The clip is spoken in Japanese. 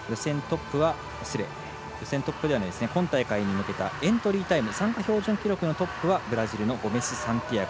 今大会に向けたエントリータイム参加標準記録のトップはブラジルのゴメスサンティアゴ。